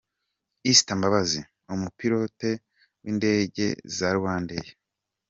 Esther Mbabazi, Umupilote w’indege za Rwandair.